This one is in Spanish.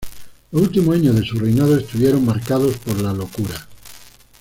Los últimos años de su reinado estuvieron marcados por la locura.